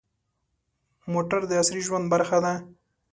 موټر د عصري ژوند برخه ده.